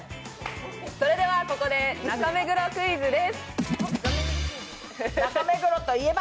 それではここで中目黒クイズです。